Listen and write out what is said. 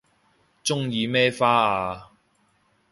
鍾意咩花啊